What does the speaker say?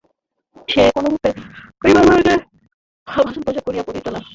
সে কোনরূপে পরিবারবর্গের ভরণপোষণ করিতে পারিত না।